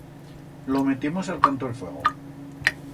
Lo metiemos a'l canto el fuego.